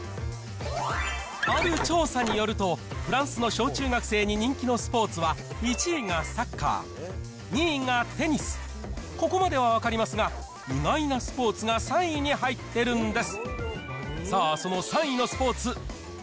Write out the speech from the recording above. ある調査によると、フランスの小中学生に人気のスポーツが１位がサッカー、２位がテニス、ここまでは分かりますが、意外なスポーツが３位に入ってるんです。